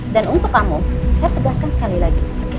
dan untuk kamu saya tegaskan sekali lagi